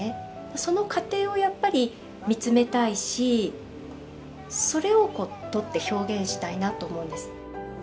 その過程をやっぱりみつめたいしそれを撮って表現したいなと思うんです。